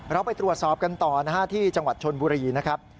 เราไปตรวจสอบกันต่อนะฮะที่จังหวัดชนบุรีนะครับ